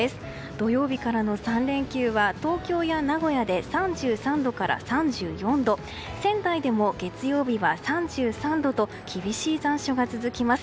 土曜日からの３連休は東京や名古屋で３３度から３４度仙台でも月曜日は３３度と厳しい残暑が続きます。